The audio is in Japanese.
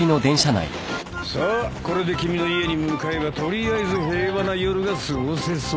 さあこれで君の家に向かえばとりあえず平和な夜が過ごせそうだ。